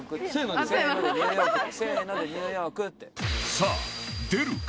さあ出るか！？